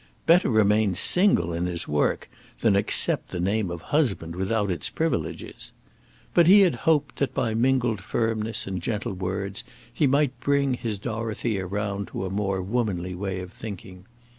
Better remain single in his work than accept the name of husband without its privileges! But he had hoped that by mingled firmness and gentle words he might bring his Dorothea round to a more womanly way of thinking.